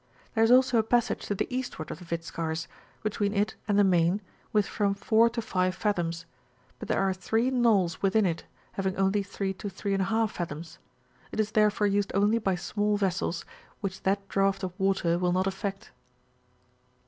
There is also a passage to the eastward of the Vit Skars, between it and the main, with from 4 to 5 fathoms; but there are three knolls within it, having only 3 to 3 J fathoms; it is therefore used only by small vessels, which that draught of water will not affect.